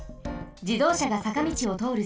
じどうしゃがさかみちをとおる